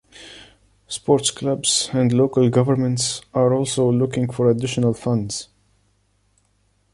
Sports clubs and local governments are also looking for additional funds.